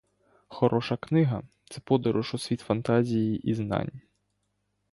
Хороша книга - це подорож у світ фантазії і знань.